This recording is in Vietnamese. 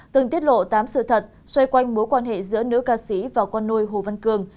từng tiết lộ tám sự thật xoay quanh mối quan hệ giữa nữ ca sĩ và con nuôi hồ văn cường